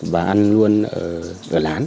và ăn luôn ở lán